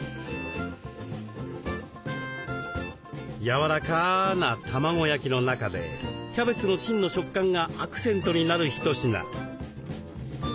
やわらかな卵焼きの中でキャベツの芯の食感がアクセントになる一品。